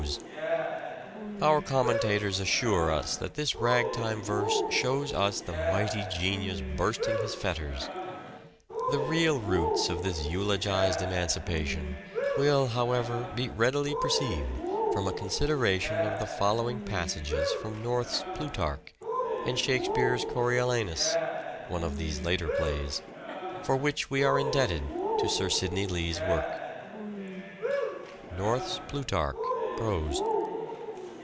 Disguised Our commentators assure us that this " rag time " verse shows us the mighty genius bursting his fetters. The real roots of this eulogized emancipation will, however, be readily perceived from a consideration of the following passages from North's Plutarch and Shakespeare's "Coriolanus" (one of these later plays), for which we are indebted to Sir Sidney Lee's work : North's Plutarch (prose).